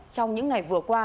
trong những ngày vừa qua